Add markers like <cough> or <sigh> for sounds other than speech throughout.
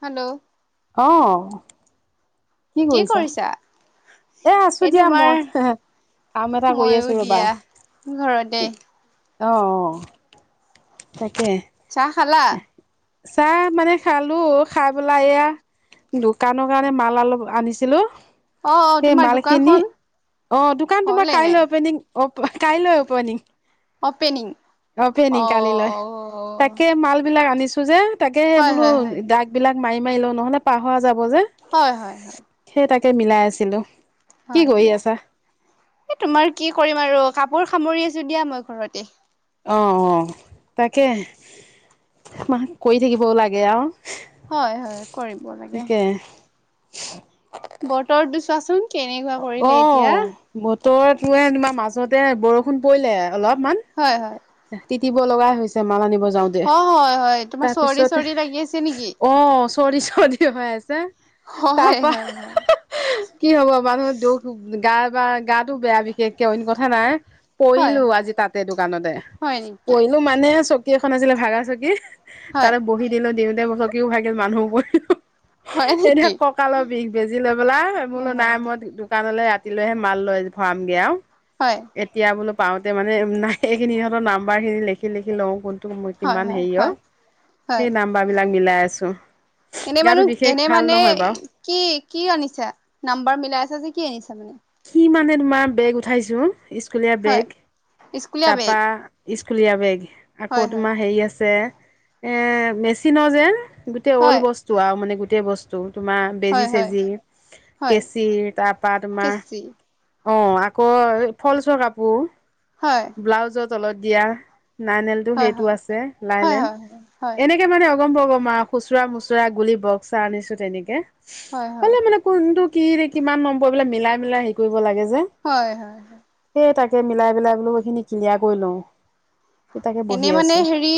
Hello. ‌ অহ। কি কৰিছা। এ আছোঁ এই দিয়া তোমাৰ মই। কাম এটা কৰি ময়ো আছোঁ ৰ'বা দিয়া ঘৰতে। কি অ', অ', অ', তাকে। চাহ খালা? চাহ মানে খালোঁ, খাই পেলাই এয়া দোকানৰ কাৰণে মাল অলপ আনিছিলোঁ। অ', অ', সেই তোমাৰ মালখিনি দোকানখন অ', দোকান তোমাৰ হ'লে নাই কাইলৈ অপেনিং অপ কাই লয় ঔপনিং। অপেনিং। অ'পেনি্্ কালি লয় অ', তাকে মাল বিলাক আনিছে যে তাকে হয়, বোলো হয়, হয়, দাগ বিলাক মাৰি মাৰি ল নহলে পাহ হৰা যাব যে হয়', হয়', হয়। সেই তাকে মিলাই আছিলো। কি হয়', কৰি দিয়া। আছা? এই তোমাৰ কি কৰিম আৰু কাপোৰ সামৰি আছে দিয়া মই ঘৰতে। অ', অ', তাকে মাহ কৰি থাকিবও লাগে আৰু। হয়, হয়, কৰিব লাগে। তাকে <inaudible> বতৰতো ছোৱাচোন। অ বতৰত ক তোমাৰ মাজতে বৰষুণ পৰিলে অলপমান হয়, হয়, তিতিব লগা হৈছে। মালা নিব যাওঁ দে। হয়, হয়, হয় তোমাৰ চৰি চৰি লাগি আছে। নেকি? অ চৰ্দি চৰ্দি হৈ আছে। হয়, তাৰপা হয়, হয়, কি হ'ব মানুহৰ দুখ গা বা গাটো বেয়া বিশেষকে অইন কথা নাই। হয়, হয়, পৰিলো আজি তাতে দোকানতে হয় নেকি। এ চকী এখন আছিলে ভাগা চকী হয়। তাতে বহি দিলো দিওঁতে চকীও ভাগিল মানুহো পৰিলো হয় এতিয়া নেকি? ককালৰ বিষ। বেজি লৈ পেলা বোলো হয় হয় নাই মই দোকানলৈ ৰাতি কতি লৈহে মাল লয় ভৰামগে আৰু হয়। এতিয়া বোলো পাওঁতে মানে নাইেই খিনি নম্বাৰ খিনি লিখি কোনতো হয় কিমান হয় হয় হয় হয়। হেৰিয় মিলাই আছোঁ। এনে মানহ এনে মানে কি কি আনিছা নাম্বাৰ মিলাই আছা যে কি আনিছা ত মানে কি মানে তোমাৰ বেগ উঠাইছো স্কুলীয়া হয় বেগ। স্কুলীয়া বেগ তাৰপা স্কুলীয়া বেগ আকৌ হয় হয় তোমাৰ হেৰি আছে। এ মেচিনৰ যে গোটেই হয় অল্ড বস্তু আৰু মানে গোটেই বস্তু। তোমাৰ হয় বেজি হয় চেজি হয় কেচি তাৰ পা তোমাৰ কেঁচি অ আকৌ ফলচৰ কাপোৰ হয় ব্লাউজৰ তলত দিয়া। নাইনেলটো হয় সেইটো হয় আছে হয় লাইলেন হয় হয় হয় এনেকে মানে গম পাব মা খুচুৰা মোচুৰা গুলি বক্সা আনিছো তেনেকে হয় হ'লে মানে কোনটো কি কিমান নম্বৰবলে মিলাই মিলাই হেৰি কৰিব লাগে যে হয়, হয়, হয় সেই তাকে মিলাই মিলাই বোলো এইখিনি কিলিয়া কৰি লওঁ। সেই তাকে বহি এনে মানে আছো হেৰি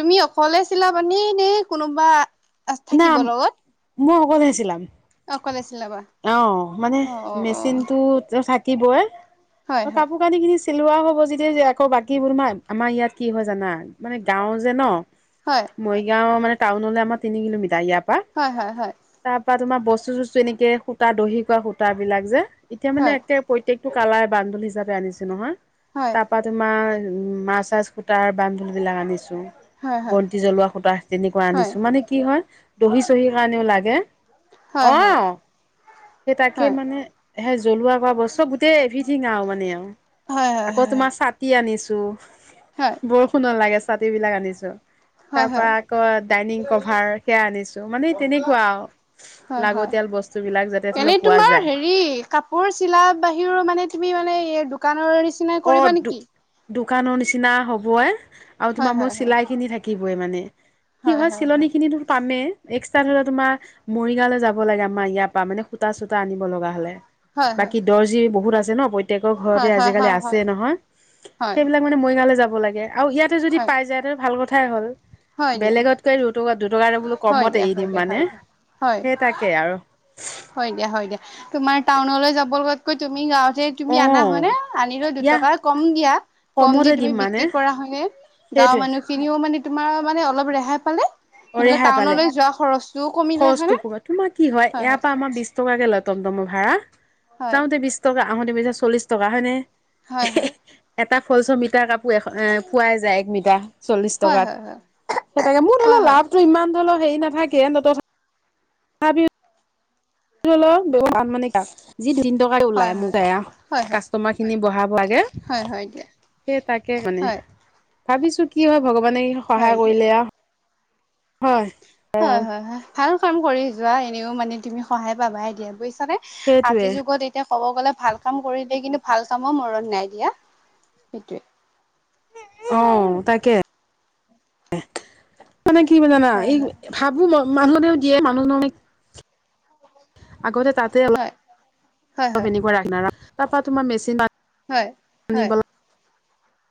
তুমি অকলে চিলা পানে দেই কোনোবা না থাকিব লগত। মই অকলেছিলাম অকলে চিলাবা? অ মানে অ অ অ মেচিনটো ঠাকিবই হয় অ হয় কাপোৰ কানি কিনিছিল ছিলোৱা হ'ব যদি আকৌ বাকীবোৰ নাই আমাৰ ইয়াত কি হয় জানা মানে গাঁও যে ন হয় মৰিগাঁও মানে টাউনলে আমাৰ তিনি কিলোমিটাৰ ইয়াৰ পৰা হয়, হয়, হয়, তাৰ পৰা তোমাৰ বস্তু চস্তু এনেকে সূতা দহি খোৱা সুতা বিলাক যে এতিয়া মানে হয় একে প্ৰত্য়েক টো কালাৰ বান্দুল হিচাপে আনিছেো নহয় হয় তাৰপা তোমাৰ উম মাছ চাছ কুতাৰ বান্দো বিলাক আনিছে। হয় হয় বন্তি জ্বলোৱা সূতা তেনেকুৱা আনিছো মানে কি দহি চহি কাৰণেও লাগে। হয় হয় আহ সেই তাকে হয় মানে হেই জ্বলোৱা কৰা বস্ত চব গোটেই এভ্ৰিথিং আৰু মানে আৰু, হয় হয় হয় হয় আকৌ তোমাৰ ছাতি আনিছো। হয় বৰষুণত লাগে চাতি বিলাক আনিছো। হয় তাৰ হয় পৰা আকৌ ডাইনিং কভাৰ সেয়া আনিছো মানে তেনেকুৱা আৰু হয় হয় লাগতিয়াল বস্তু বিলাক যাতে ধৰি এনেই লওক পোৱা তোমাৰ যায়। হেৰি, কাপোৰ চিলা বাহিৰ মানে তুমি মানে এই দোকানৰ নিচিনাই অ কৰিবা দো নেকি? দোকানৰ নিচিনা হ'বই আৰু হয় তোমাৰ মোৰ হয় হয় চিলাই খিনি থাকিবই মানে, কি হয় চিলনী খিনি তোৰ কামেই লে তোমাৰ মৰিগাঁওলৈ যাব লাগে আমাৰ ইয়াৰ পৰা মানে সূতা চূতা আনিব লগা হ'লে। হয় বাকী দৰ্জি বহুত আছে ন প্ৰত্যেকৰ ঘৰতে হয় হয় হয় আজিকালি হয় আছে। ছে হয় নহয় হয় হয় সেইবিলাক মানে মৰিগাৱলে যাব লাগে আৰু ইয়াতে যদি হয় পাই যায় তেনে ভাল কথাই হ'ল। হয় দিয়া বেলেগতকে ৰু দুটকা এটা বোলো হয় কমত দিয়া এৰি হয় দিম দিয়া মানে, হয় দিয়া হয় সেই তাকে আৰু। হয় দিয়া, হয় দিয়া, তোমাৰ টাউনলৈ যাব লগাতকৈ তুমি গাৱ যে অ তুমি আনা হয়নে? আনিলৈ ইয়া দুটকা কম দিয়া, কম কমতে দি তুমি দিম মানে বিক্ৰী কৰা, হয়নে? গাঁৱৰ সেইটোৱে মানুহখিনিও মানে তোমাৰ মানে অলপ ৰেহাই পালে। অহ এইফালে ৰেহাই পালে টাউনলৈ যোৱা খৰচটোও কমিলে হয়নে খৰচটো কৰ তোমাৰ কি হয় ইয়াৰ পৰা আমাৰ অ' বিশ টকা কে লয় তম তমৰ ভাড়া, হয় যাওঁতে বিশ টকা আহোতে পিছে চল্লিশ টকা হয়নে? হয় হয়। এটা ফলচৰ মিটাৰ কাপোৰ এ এ পোৱাই যায় এক মিটাৰ। চল্লিশ হয় টকাত, হয় হয় ইতাকে মোৰ হয় ধৰিল' হয় লাভ। ধৰি হেৰি নাথাকে তাকে তথাবি <unintelligible> যিতিন টকাই ওলাই হয় মোক এয়া হয় হয় হয় হয় কাষ্টমাৰখিনি বৰাব লাগে হয় হয় দিয়া সেই তাকে মানে। হয় ভাবিছোঁ কি হয়, ভগৱানে হয় সহায় দিয়া কৰিলে আৰু। হয়। হয় হয় হয় ভাল কাম কৰি যোৱা এনেও মানে তুমি সহায় পাবাই দিয়া বুজিছা। আজিৰ সেইটোৱে যুগত এতিয়া ক'ব গ'লে ভাল কাম কৰিলে কিন্তু ভাল কামৰ মৰণ নাই দিয়া সেইটোৱে। অ', তাকে। মানে কি হব জানা হয় এই হয় ভাবো মানুহও দিয়ে মানুহ আগতে তাতে অলপ অলপ হয় হয় <unintelligible> এনেকুৱা ৰাখিব ন তাৰ পৰা তোমাৰ মেচিন হয় হয়।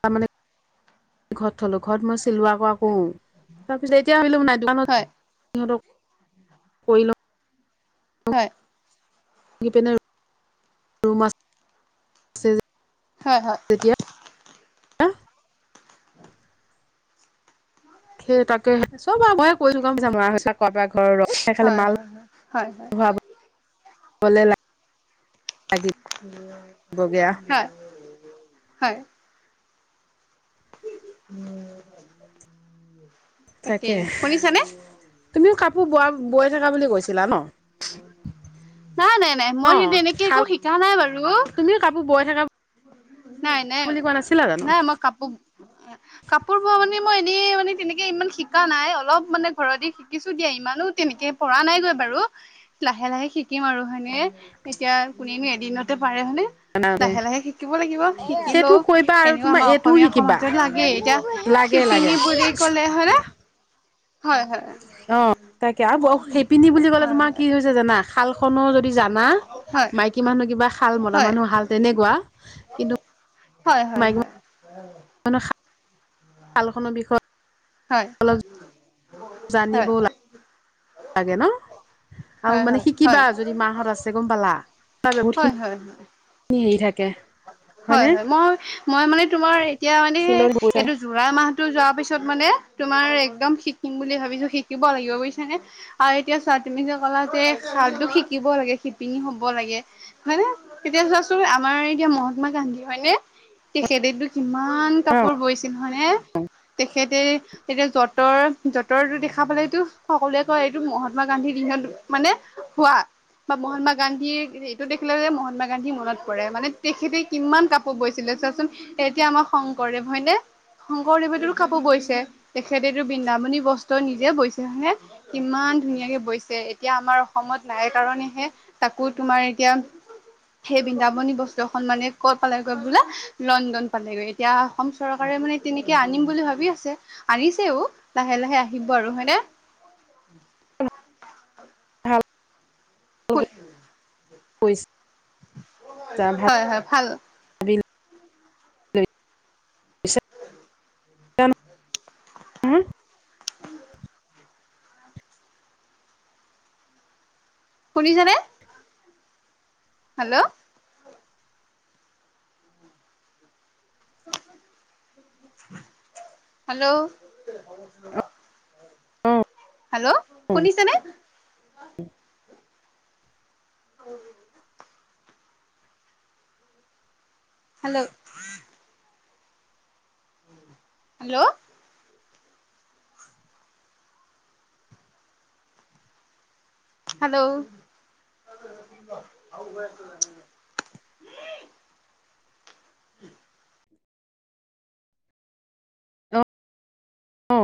তাৰ মানে ঘৰত থলো ঘৰত মই চিলোৱা হোৱা উম, তাৰপিছত এতিয়া ভাবিলোঁ নাই দোকানত হয় সিহঁত কৰি লওঁ। হয়। সেইপিনে ৰোম আছে যে হয় হয়। আ সেই তাকে চব আৰু ময়ে হয় হয় হয় হয় <unintelligible> <unintelligible> লাগিবগে আও হয় হয়। হুম। তাকেই। তাকে শুনিছানে? তুমিও কাপোৰ বোৱা বৈ থকা বুলি কৈছিলা ন? নাই নাই নাই অ মই সেই তেনেকে একো শাল শিকা নাই বাৰু। তুমিও কাপোৰ বৈ থাকা নাই নাই, বুলি কোৱা নাছিলা জানো নাই মই কাপোৰ কাপোৰ বোৱা মানে মই এনে মানে তেনেকে ইমান শিকা নাই, অলপ মানে ঘৰতে শিকিছোঁ দিয়া, ইমানো তেনেকে পৰা নাই গৈ বা আৰু লাহে-লাহে শিকিম আৰু হয়নে? এতিয়া কোনেনো এদিনতে পাৰে হয়নে? লাহে লাহে শি ব লাগিব, সেইটো শিকিলেও কৰিবা আৰু এনেকুৱা তোমাৰ আমাৰ এইটোও অসমীয়া শিকিবা সমাজত লাগেই। এতিয়া লাগে লাগে শিপিনী বুলি ক নে হয়নে? হয় হয় হয়। অ', তাকে আৰু <unintelligible> শিপিনী বুলি ক'লে তোমাৰ হয় কি হৈছে জানা? শালখনৰো য দি জানা, হয় মাইকী মানুহ কিবা শাল মতা হয় মানুহ শাল তেনেকুৱা কিন্তু হয় হয় মাইকী <unintelligible> শালখনৰ বিষয়ে হয়। হয় জানিব হয় হয় হয় লা লাগে ন'? আৰু হয় হয় মানে শিকিবা হয় যদি মাহত আছে গ'ম পালা? বহুত হয় খিনি হয় হয়। হেৰি থাকে হয়, হয়নে হয়, মই মই মানে তোমাৰ এতিয়া মানে চিলনী এইটো জুলাই মা মাহতো যোৱাৰ পিছত মানে তোমাৰ এক্দম শিকিম বুলি ভাবিছো শিকিব লাগিব বুজিছানে আৰু এতিয়া চোৱা তুমি যে ক'লা যে শাকটো শিকিব লাগে, শিপিনী হ'ব লাগে হয় নে। তেতিয়া চোৱাচোন আমাৰ এতিয়া মহাত্মা গান্ধী হয়নে? তেখেতেতো কি ইমান কাপোৰ বৈছিল হয়নে? তেখেতে তেতিয়া যতৰ যতৰটো দেখা পালেতো সকলোৱে কয় এইটো মহাত্মা গান্ধীৰ দিনত মানে হোৱা বা মহাত্মা গান্ধীৰ এইটো দেখিলে যে মহাত্মা গান্ধী মনত পৰে মানে তেখেতে কিমান কাপোৰ বৈছিলে চোৱাচোন, এতিয়া আমাৰ শংকৰদেৱ হয়নে? শংকৰদেৱেতো কাপোৰ বৈছে তেখেতেতো বৃন্দাবনী বস্তু নিজে বৈছে হয়নে? কিমান ইমান ধুনীয়াকে বৈছে এতিয়া আমাৰ অসমত নাই কাৰনেহে, তাকো তোমাৰ এতিয়া সেই বৃন্দাবনী বস্ত্র খন মানে ক'ত পালেগৈ বোলে লণ্ডন পালেগৈ এতিয়া অসম চৰকাৰে মানে তেনেকে আনিম বুলি ভাব ভাবি আছে। আনিছেও লাহে লাহে আহিব আৰু হয়নে? <inaudible> ভাল <unintelligible> <unintelligible> ভাল পইচা হয়, হয়, ভাল। <unintelligible> <unintelligible> শুনিছানে? হেল্ল' হেল্ল' হেল্ল' শুনিছেনে? <inaudible> হেল্ল' হেল্ল' হেল্ল' <inaudible> <inaudible> অ, অ'।